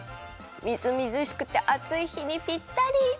みずみずしくてあついひにぴったり！